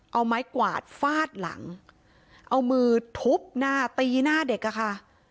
เอาไม้กวาดฟาดหลังเอามือทุบหน้าตีหน้าเด็กอะค่ะ